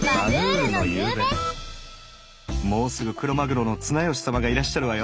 もうすぐクロマグロの綱吉様がいらっしゃるわよ。